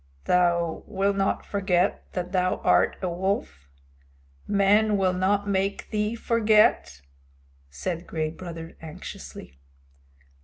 "Thou wilt not forget that thou art a wolf? Men will not make thee forget?" said Gray Brother anxiously.